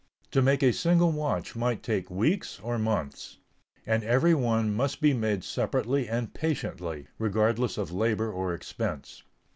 To make a single watch might take weeks or months; and every one must be made separately and patiently, regardless of labor or expense.